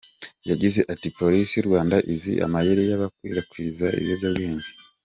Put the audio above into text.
Yagize ati:"Polisi y’u Rwanda izi amayeri y’abakwirakwiza ibiyobyabwenge.